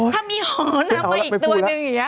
ถ้ามีหอมนำไปอีกตัวเป็นอย่างนี้นะ